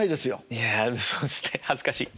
いやそうっすね恥ずかし。